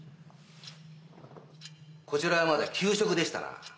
こちらはまだ給食でしたな。